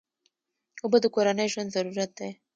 اوبه د کورنۍ ژوند ضرورت دی.